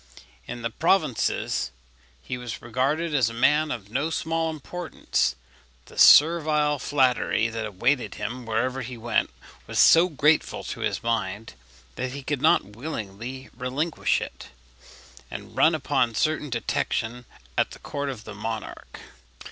In the provinces he was regarded as a man of no small importance; the servile flattery that awaited him wherever he went was so grateful to his mind that he could not willingly relinquish it, and run upon certain detection at the court of the monarch.